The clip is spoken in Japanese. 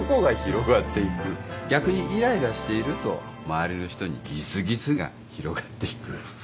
逆にイライラしていると周りの人にギスギスが広がっていく。